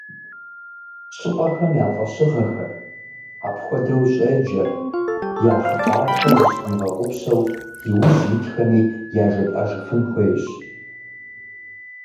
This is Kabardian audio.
Щӏыпӏэхэм я фӏэщыгъэхэр, апхуэдэу щӏеджэр, я хъыбархэр зыщыдмыгъэгъупщэу диужь итхэми яжетӏэжыфын хуейщ.